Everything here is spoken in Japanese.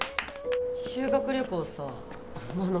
・修学旅行さ真野